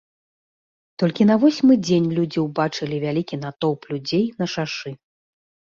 Толькі на восьмы дзень людзі ўбачылі вялікі натоўп людзей на шашы.